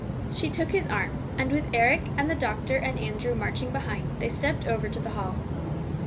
She took his arm, and with Eric and the doctor and Andrew marching behind, they stepped over to the hall.